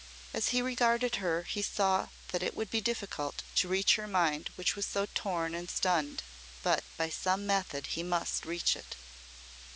As he regarded her he saw that it would be difficult to reach her mind which was so torn and stunned. But by some method he must reach it.